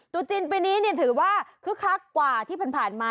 จีนปีนี้ถือว่าคึกคักกว่าที่ผ่านมา